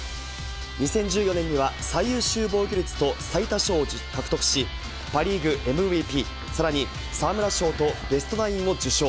２０１４年には、最優秀防御率と最多勝を獲得し、パ・リーグＭＶＰ、さらに沢村賞とベストナインを受賞。